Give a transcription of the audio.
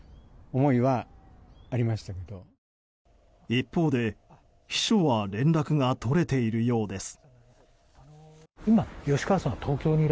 一方で、秘書は連絡が取れているようです。